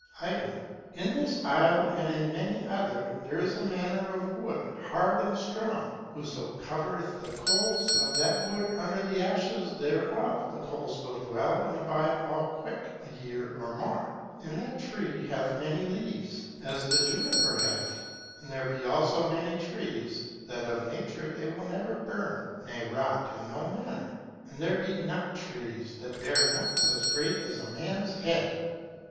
Item; in this isle and in many other, there is a manner of wood, hard and strong. Whoso covereth the coals of that wood under the ashes thereof, the coals will dwell and abide all quick, a year or more. And that tree hath many leaves, as the juniper hath. And there be also many trees, that of nature they will never burn, ne rot in no manner. And there be nut trees, that bear nuts as great as a man’s head.